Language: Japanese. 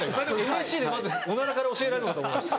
ＮＳＣでまずおならから教えられるのかと思いました。